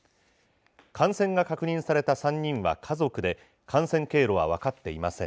感染が確認された３人は家族で、感染経路は分かっていません。